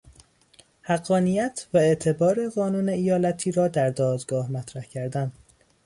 حقانیت و اعتبار قانون ایالتی را در دادگاه مطرح کردن